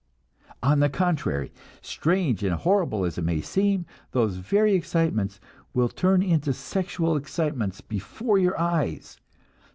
On the contrary, strange and horrible as it may seem, those very excitements will turn into sexual excitements before your eyes!